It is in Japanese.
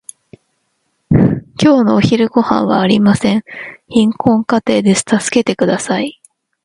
今日のお昼ごはんはありません。貧困家庭です。助けてください。